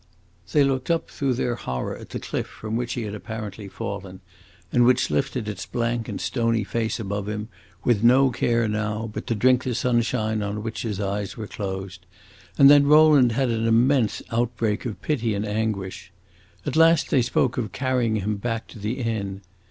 They looked up through their horror at the cliff from which he had apparently fallen, and which lifted its blank and stony face above him, with no care now but to drink the sunshine on which his eyes were closed, and then Rowland had an immense outbreak of pity and anguish. At last they spoke of carrying him back to the inn.